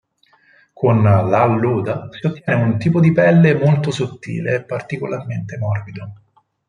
Con la'alluda si ottiene un tipo di pelle molto sottile e particolarmente morbido.